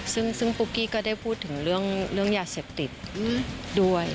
ซึ่งปุ๊กกี้ก็ได้พูดถึงเรื่องยาเสพติดด้วย